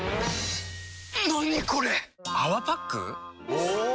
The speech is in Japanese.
お！